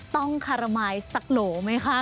ต้องขระไม้สักโหลไหมคะ